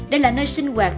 đây là nơi sinh hoạt